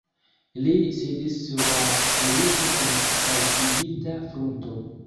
Li sidis sur la vojeto kun faltigita frunto.